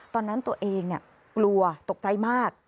ตอนนั้นตัวเองกลัวตกใจมาก